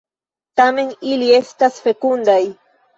Tamen ili estas fekundaj.